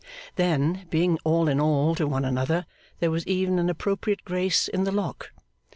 Then, being all in all to one another, there was even an appropriate grace in the lock.